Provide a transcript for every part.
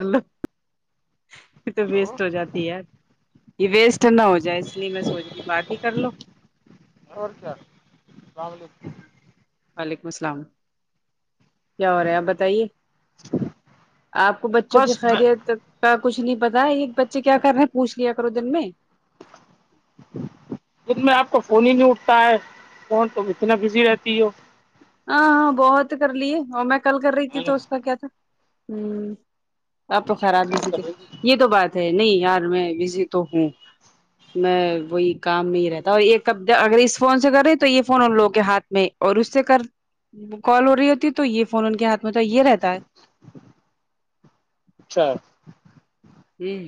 و یہ تو ہلو ویسٹ ہو جاتی ہے یہ ویسٹ نہ ہو جائے اس لیے میں سوچ رہی بات ہی کر لو اور کیا السلام علیکم وعلیکم السلام کیا ہو رہا ہے آپ بتائیے آپ کو بچوں کی بس خیریت کچھ نہیں پتا ایک بچے کیا کر رہے ہیں پوچھ لیا کرو دن میں خھ میں آپ کا فون ہی نہیں اٹھتا ہے فون تو اتنا بزی رہتی ہو ہاں ہاں بہت کر لیے اور میں کل کر رہی تھی تو اس کا کیا تھا آپ تو خراب ہی س یہ تو بات ہے نہیں یار میں بزی تو ہوں میں وہی کام نہیں رہتا اور یہ ک اگر اس فون سے کر رہے تو یہ فون ان لوگوں کے ہاتھ میں اور اس سے کر کال ہو رہی ہوتی ہے تو یہ فون ان کے ہاتھ میں تو یہ رہتا ہے اچھا ہوں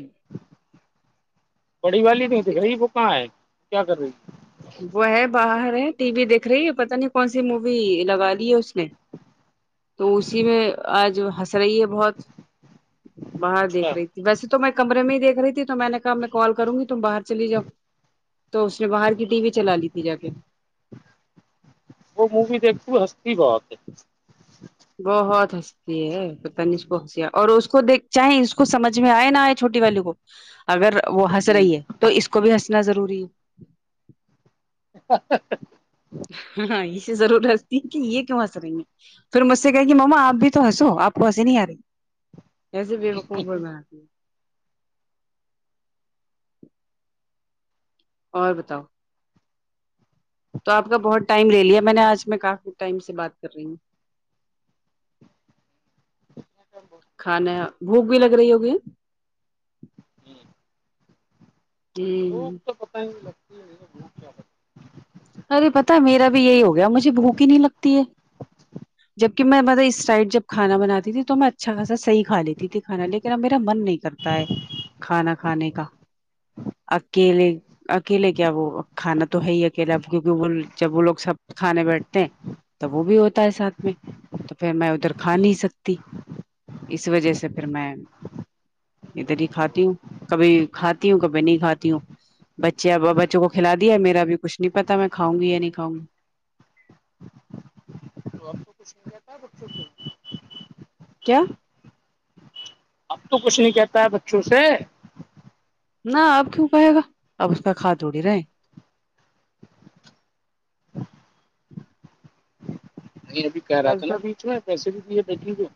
پڑی والی نہیں دھ رہی وہ کہاں ہے کیا کر رہی وہ ہے باہر ہے ٹی وی دیکھ رہی ہے پتا نہیں کون سی مووی لگا لی ہے اس نے تو اسی میں آج ہنس رہی ہے بہت باہر دیکھ اچھا رہی تھی ویسے تو میں کمرے میں ہییک رہی تھی تو میں نے کہا میں کال کروں گی تم باہر چلی جاؤ تو اس نے باہر کی ٹی وی چلا لی تھی جا کے وہ مووی دیکھتی ہنستی بہت ہے ہوتس یہ پت نہیں اس کو ہنس اور اس کو دیک چاہیں اس کو سمجھ میں آئے نا آئے چھوٹی والی کو اگر وہ ہنس رہی ہے تو اس کو بھی ہنسنا ضروری ہے ہاں ہاں یہے ضرورت کہ یہ کیوں آ سریں گے پھر مجھ سے کہ کہ مما آپ بھی تو ہنسو آپ کو ہنسی نہیں آ رہی یہس سے بیق بول با ہے اور بتاؤ تو آپ کا بہت ٹائم لے لیا میں نے آج میں کافی ٹائم سے بات کر رہی ہوں کھانا بھوک بھی لگ رہی ہوگی ہوں ب ارے پتا میرا بھی یہی ہو گیا مجھے بھوک ہی نہیں لگتی ہے جبکہ میں بطب اس ٹائٹ جب کھانا بناتی ت تو میں اچھا خاصا صحیح کا لیتی تھی کھانا لیکن اب میرا م نہیں کرتا ہے کھانا کھانے کا اکیلے اکیلے کیا وہ کھانا تو ہے ہی لب کیونکہ وہ جب وہ لوگ سب کھانے بیٹھتے ہیں تو وہ بھی ہوتا ہے ساتھ میں تو پھر میں ادھر کھا نہیں سکتی اس وجہ سے پھر میں ادھر ہی کھاتی ہوں کبھی کھاتی ہوں کبھی نہیں کھاتی ہوں بچے بچوں کو کھلا دیا میرا بھی کچھ نہیں پتا میں کھاؤ گی یا نہیں کھاؤ گی تو آپ کو کچھ رہاتتا ہے بچوں کے کیا اب تو کچھ نہیں کہتا ہے بچوں سے نہ اب کیوں کہے گا اپ اس کا کاتھ اڑی رہے ہیں یہ ابھی کہہ رہا تھا نا بیچ میں پیسے بھی دیے بیٹھنے کو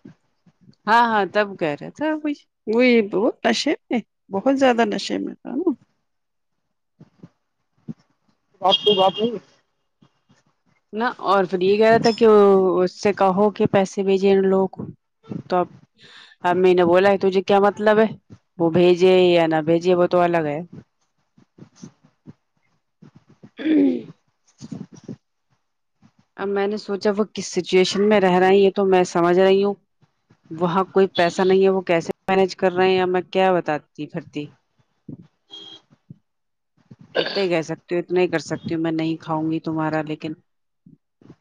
ہاں ہاں تب کہہ رہے تھا کچھ وہئی بہت نشے میں بہت زیادہ نشے میں تھا آپ لگ آپ نہیں نا اور پھر یہ کہہ رہا تھا کہ اس سے کہو کہ پیسے بھیجے ان لوگوں کو تو اب امی نے بولا ہے تجھے کیا مطلب ہے وہ بھیجے یا نہ بھیجے وہ تو الگ ہے [inaudible] ہی اب میں نے سوچا وہ کس سچویشن میں رہے یہ تو میں سمجھ رہی ہوں وہاں کوئی پیسہ نہیں ہے وہ کیسے مینج کر رہے ہیں یا میں کیا بتاتی بھرتی اتنے ہی کہہ سکتی ہوں اتنا ہی کر سکتی ہوں میں نہیں کھاؤں گی تمہارا لیکن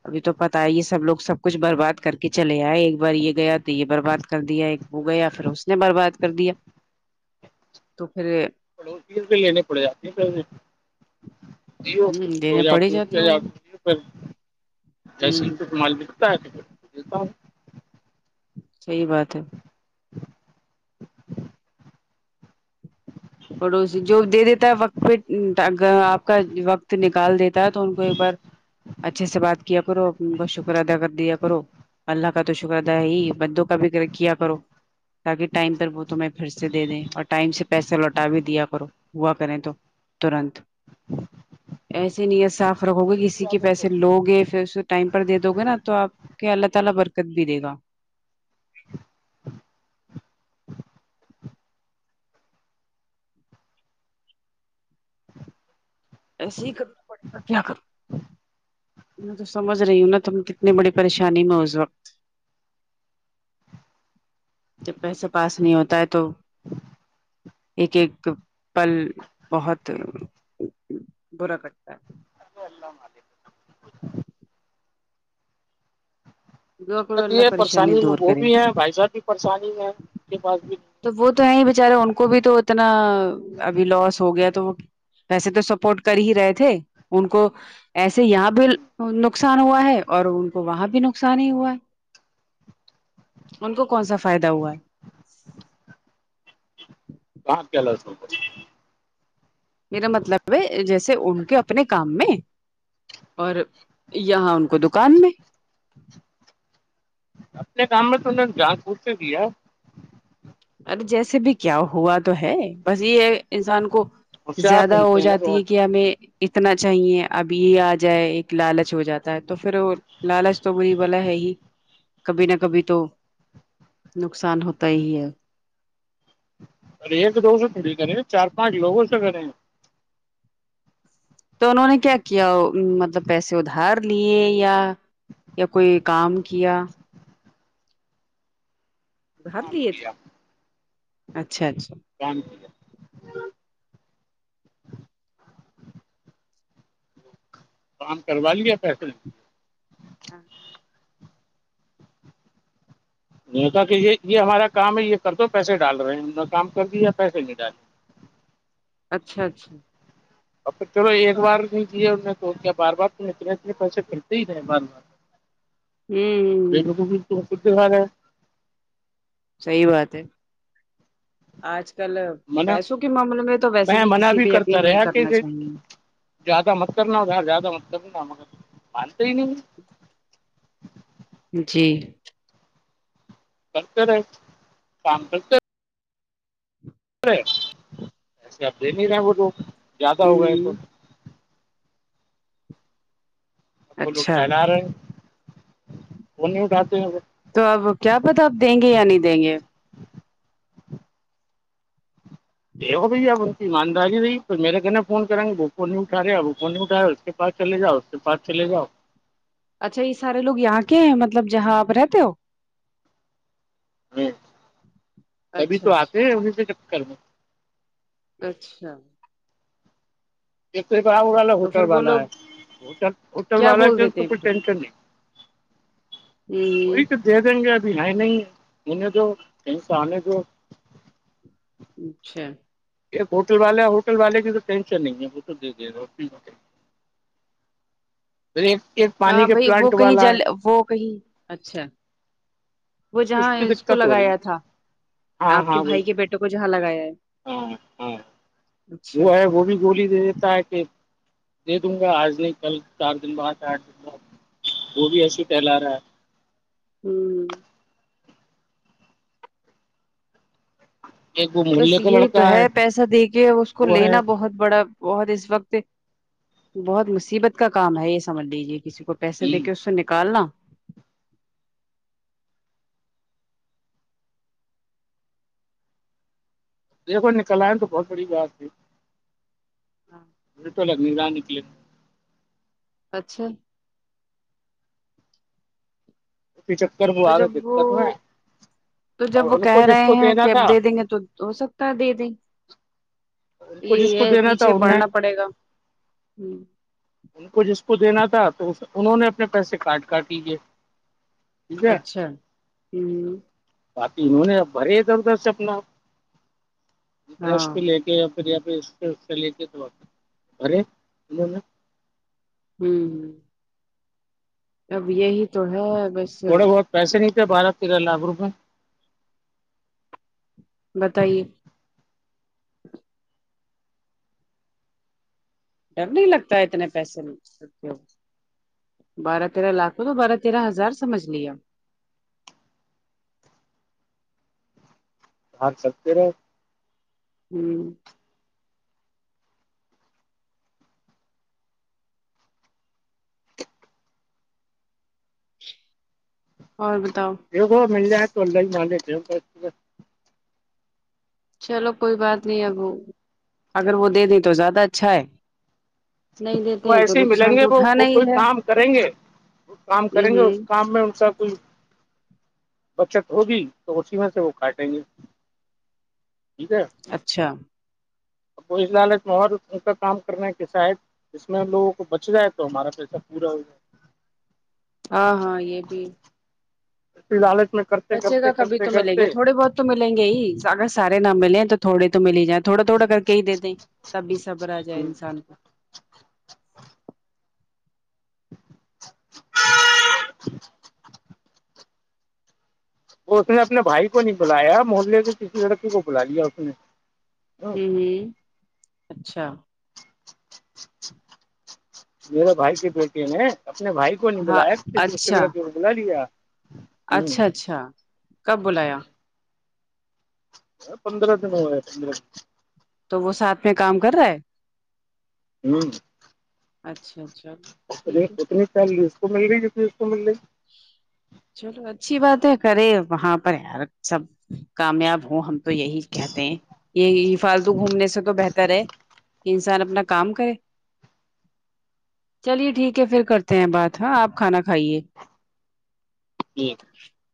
ابھی تو پتا ہے یہ سب لوگ سب کچھ برباد کر کے چلے آئے ایک بار یہ گیا تو یہ برباد کر دیا ایک وہ گیا پھر اس نے برباد کر دیا تو پھر لینے پڑے جاتی ہیں دینے پڑے تو جاتے ہوں گے پھر جیسن ہ تو تمال لکھتا ہے ٹکٹلتا ہوں صحیح بات ہے پڑوسی جو دے دیتا ہے وقت پہ آپ کا وقت نکال دیتا ہے تو ان کو ایک بار اچھے سے بات کیا کرو اپ کا شکر ادا کر دیا کرو اللہ کا تو شکر اد ہے ہی بدوں کا بھیکر کیا کرو تاکہ ٹائم پر وہ توم پھر سے دے دیں اور ٹائم سے پیسہ لوٹ ہٹا بھی دیا کرو ہوا کریں تو ترنت ایسی نیت صاف رکھو گے کسی کے پیسے لو گے پھر اسے ٹائم پر دے دو گے نا تو آپ اللہ تعالی برکت بھی دے گا ایسے ہی کرنا پڑے گا کیا کر میں تو سمجھ رہی ہوں نا تم کتنی بڑی پریشانی میں اس وقت جب پیسے پاس نہیں ہوتا ہے تو ایک ایک پل بہت برا پتا ہے ا م دعا کرو اللہ ہے پریشانی دور وہ کرے بھی ہے بھائی صاح بھی پریشانی ہے اس کے پاس بھی تو وہ تو ہے ہی بیچارے ان کو بھی تو اتنا ابھی لوس ہو گیا تو وہ ویسے تو سپورٹ کر ہی رہے تھے ان کو ایسے یہاں بھی نقصان ہوا ہے اور ان کو وہاں بھی نقصان ہی ہوا ہے ان کو کون سا فائدہ ہوا ہے کہاںپ کیالا س ہوں ج میرا مطلب ہے جیسے ان کے اپنے کام میں اور یہاں ان کو دکان میں اپنے کام میں تو نے گاس پچ سے دیا ارے جیسے بھی کیا ہوا تو ہے بس یہ انسان کو ہوشیار زیادہ ہو بنتے ہیں نا جاتی ہے بہت کہ ہمیں اتنا چاہیے اب یہ آ جائے ایک لالچ ہو جاتا ہے تو پھر لالچ تو بری بلا ہے ہی کبھی نہ کبھی تو نقصان ہوتا ہیے ارے ایک دو ست تھوڑی کرے چار پانچ واگ سا کریںے ہیں تو انوں نے کیا کیا مطلب پیسے ادھار لیے یا یا کوئی کام کیا باب کام لی تھ کیا اچھا اچھا کیام کام کروا لیے پیسے ہاں نہیں ہوتا کہ یہ یہ ہمارا کام ہے یہ کر دو پیسے ڈال رہے ہیں ہم نے کام کر دیا ہےیا پیسے نہیں ڈال اچھا اچھا اور پھر چلو ایک بار نہیں کیاے ان نے تو کیا بار بار تو اتنے اتنے پیسے کرلتے ہی رہے بار بار ہوں بیٹک ت خود دکھا رہے ہیں صحی بات ہے آج کل منع پیسوں کے معاملے میں تو ویسے بھی منع کسی پہ کرتا یقین نہیں رہا کہ کرنا چاہیے زیادہ مت کرنا ادار زیادہ مت کروںنا مگر مانتے ہی نہیں ہیں جی کرتے رہے کام کرتے ایسے اپ دے نہیں رہے وہ لوگ زیادہ ہو گئے تو ہوں وہ لوگ اچھا ٹہلا رہے ہیں وہ نہیں اٹھاتے ہیں وہ تو اب کیا پتا آپ دیں گے یا نہیں دیں گے دیکھو بھائی اپ ان کی ایمانداری رہی تو میرے کہنے فون کر گے وہ ف کو نہیں اٹاے ا وہ کوون نہیں اٹھایا اس کے پارک چلے جؤ س پارک چلے جاؤ اچھا یہ سارے لوگ یہاں کے ہیں مطلب جہاں آپ رہتے ہو ہاں تبھی اچھا تو اچھا آتے ہیں انیں کے چکر میں اچھا تنے کہ والا تو پھر ہوٹل وہ والا ہے لوگ ہوٹل ہوٹل کیا والا بول کے دیتے تو ہیں کوئی پھر وہ ٹینشن نہیں ہوں وہی تو ہوں دے دیں گے ابھی ہے نہیں ہونے دو کہیں سے آنے دو اچھا ایک ہوٹل والا ہوٹل والے کی تو ٹینشن نہیں ہے وہ تو دے دے رہا تو [inaudible] ہاں بھائی وہ کہیں جل وہ کہیں اچھا وہ جہاں کی اس کو دقت ہو رہی ہے. لگایا تھا ہاں آپ کے ہاں وہی بھائی کے بیٹوں کو جہاں لگایا ہے ہاں ہاں اچھا وہ ہے اچھا وہ بھی گولی دے دیتا ہے کہ دے دوں گا آج نہیں کل چار دن بعد آٹھ دن بعد وہ بھی ایسے لا رہا ہے ہوں ہے ایک وہ بس محلے کا یہی تو لڑکا ہے پیسہ دے کے اس کو وہ ہے لینا بہت بڑا بہت اس وقت بہت مصیبت کا کام ہے یہ سمجھ لیجیے کسی کو پیسے دے کے اس سے نکالنا دیک کو نکل آیا تو بہت بڑی گات تھی ہاں رٹو لگ رہانانی کے لیے [inaudible] اچھا چ [inaudible] تو جب وہ تو جب اور وہ ان کو کہہ جس رہے کو ہیں دینا کہ تھا اب دے دیں گے تو ہو سکتا دے دیں ان کو جس یہ کو ہے دینا تھا پیچھے ان نے بڑنا پڑے گا ہ ان کو جس کو دینا تھا تو انہوں نے اپنے پیسے کاٹ کاٹ کیجیے اچھا ہوں باقی انہوں نےب بھرے ادھر ادھر سے اپنا پ ہاں لے کے پ لے کے تو بھرے انوں نے ہوں ہ اب یہی تو ہے بس تھوڑے بہت پیسے نہیں تھے بارہ تیرہ لاکھ روپئے بتائیے ڈر نہیں لگتا اتنے پیسے ستے ہو بارہ تیرہ لاکھ کو تو بارہ تیرہ ہزار سمجھ لیا بھان سبتے رہے [inaudible] ہوں اور بتاؤ دیکھو مل جائے تو ل ہی مے چلو کوئی بات نہیں اب اگر وہ دے دیں تو زیادہ اچھا ہے نہیں دیتے وہ ہیں تو ایسے ہی ملیں نقصان گے تو وہ اٹھانا ہی کوئی ہے کام کریں گے کام ہ کریں گے ہ اس کام میں ان کا کوئی بچت ہوگی تو اسی میں سے وہ کاٹیں گے ٹھیک ہے اچھا اب وہ لالچ مور ان کا کام کرنے کے شاید اس میں ہم لوگوں کو بچ جائے تو ہمارا پیسہ پورا ہو جائے ہاں ہاں یہ بھی جات نہیں [inaudible] بچے کا کبھی تو ملے گی تھوڑے بہت تو ملیں گے ہی اگر سارے نہ ملیں تو تھوڑے تو مل ہی جائیں تھوڑا تھوڑا کر کے ہی د دیں تبھی صبر آ جائے انسان کو اس نے اپنے بھائی کو نہیں بلایا محلے سے کسی لڑکی کو بلا لیا اس نے ہ اچھا میرے بھائی کی بیٹی ہے ن اپنے بھائی کو نہیں ہاں بلایا اچھا دوسے بلا لیا اچھا ہ اچھا کب بلایا پندرہ دن ہو ہے پندرہ دن تو وہ ساتھ میں کام کر رہا ہے ہ اچھا اچھا ا ٹھیک ہے اتنی چ اس کو مل رہی جتنی اس کو مل رہی ہے چلو اچھی بات ہے کرے وہاں پر یار سب کامیاب ہو ہم تو یہی کہتے ہیں یہ فالتو گھومنے سے تو بہتر ہے انسان اپنا کام کرے چلیے ٹھیک ہے پھر کرتے ہیں بات ہاں آپ کھانا کھائیے ج [unintelligible]